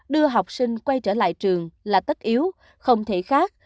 đưa học sinh quay trở lại trường là tất yếu không thể khác